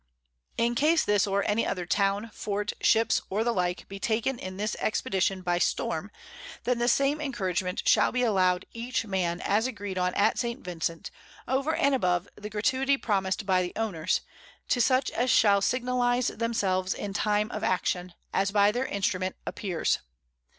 _ _In case this or any other Town, Fort, Ships, or the like, be taken in this Expedition by Storm, then the same Encouragement shall be allow'd each Man, as agreed on at_ St. Vincent, _over and above the Gratuity promis'd by the Owners, to such as shall signalize themselves in time of Action, as by their Instrument appears.